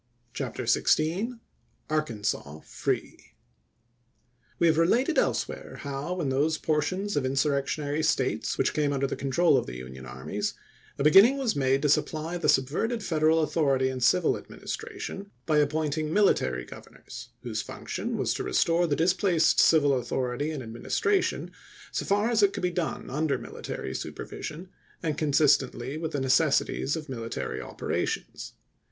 CHAPTER XVI ARKANSAS FREE Chap. XVI. ^^TE have related elsewhere how, in those por T T tions of insurrectionary States which came under the control of the Union armies, a beginning was made to supply the subverted Federal authority in civil administration by appointing military gov ernors, whose function was to restore the displaced civil authority and administration, so far as it could be done under military supervision, and consistently with the necessities of military operations.